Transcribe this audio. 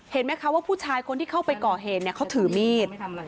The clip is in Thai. เห็นไหมคะว่าผู้ชายคนที่เข้าไปก่อเหตุเนี่ยเขาถือมีด